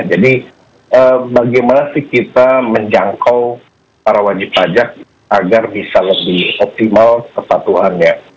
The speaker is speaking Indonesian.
jadi bagaimana sih kita menjangkau para wajib pajak agar bisa lebih optimal kesatuan ya